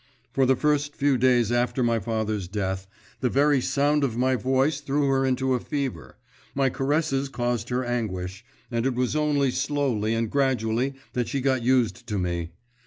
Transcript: For the first few days after my father's death the very sound of my voice threw her into a fever, my caresses caused her anguish, and it was only slowly and gradually that she got used to me.